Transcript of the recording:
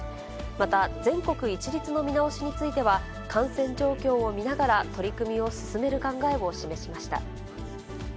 また、全国一律の見直しについては、感染状況を見ながら、取り組みを進める考えを示しました。